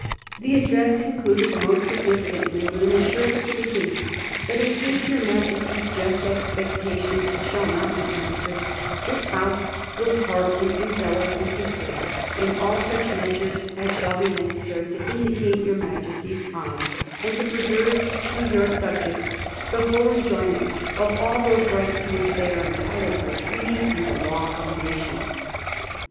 The address concluded most significantly with an assurance to the King that '^ in case your Majes ty's just expectations shall not be answered, this House will heartily and zealously concur in all such measures as shall be necessary to vindicate your Majesty's honor, and to preserve to your subjects the full enjoyment of all those rights to which they are entitled by treaty and the Law of Nations."